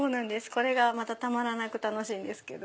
これがまたたまらなく楽しいんですけど。